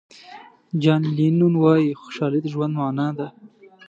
جان لینون وایي خوشحالي د ژوند معنا ده.